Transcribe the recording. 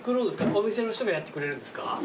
お店の人がやってくれるんですか？